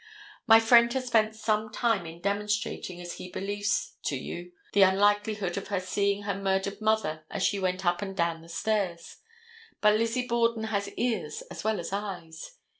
My friend has spent some time in demonstrating, as he believes, to you, the unlikelihood of her seeing her murdered mother as she went up and down the stairs. But Lizzie Borden has ears as well as eyes.